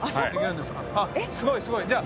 あすごいすごい！じゃあ。